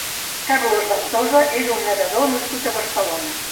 Carlos Ventosa és un nedador nascut a Barcelona.